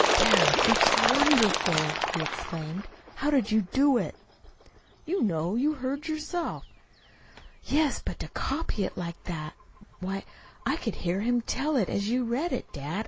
"Dad, it's wonderful!" he exclaimed. "How did you do it?" "You know. You heard yourself." "Yes; but to copy it like that ! Why, I could hear him tell it as you read it, dad.